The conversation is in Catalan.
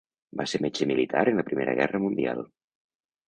Va ser metge militar en la Primera Guerra Mundial.